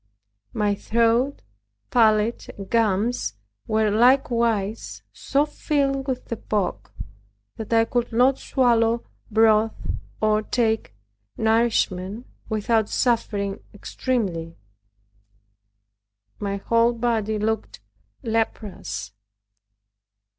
My throat, palate, and gums were likewise so filled with the pock, that I could not swallow broth, or take nourishment without suffering extremely. My whole body looked leprous.